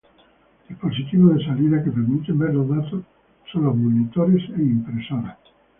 Dispositivos de salida que permiten ver los datos son los monitores e impresoras.